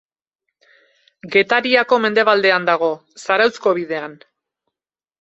Getariako mendebaldean dago, Zarauzko bidean.